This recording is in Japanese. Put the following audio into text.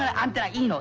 いいの。